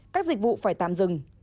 các dịch vụ phải tạm dừng